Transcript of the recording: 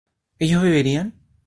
¿ellos beberían?